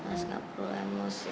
mas gak perlu emosi